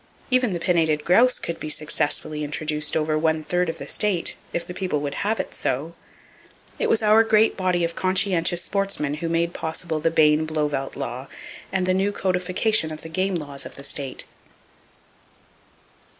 Even the pinnated grouse could be successfully introduced over one third of the state, if the people would have it so. It was our great body of conscientious sportsmen who made possible the Bayne Blauvelt law, and the new codification of the game laws of the state.